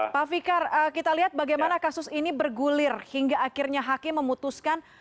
pak fikar kita lihat bagaimana kasus ini bergulir hingga akhirnya hakim memutuskan